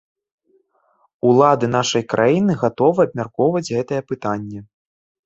Улады нашай краіны гатовы абмяркоўваць гэтае пытанне.